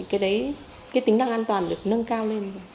cái đấy cái tính năng an toàn được nâng cao lên